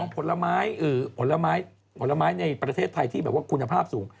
๒ผลไม้ในประเทศไทยที่คุณภาพสูง